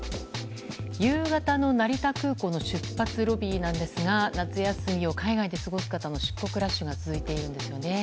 夕方の成田空港の出発ロビーなんですが夏休みを海外で過ごす方の出国ラッシュが続いているんですよね。